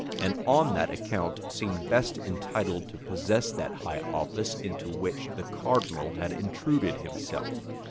and on that account seemed best entitled to possess that high office into which the cardinal had intruded himself.